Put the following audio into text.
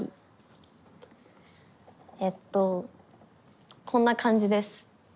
えっとこんな感じです。